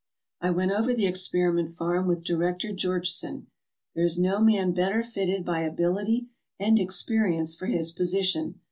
I went over the experiment farm with Director George son. There is no man better fitted by ability and ex perience for his position.